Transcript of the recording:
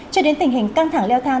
cho đến tình hình căng thẳng leo thang